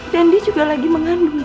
dan dia juga lagi mengandung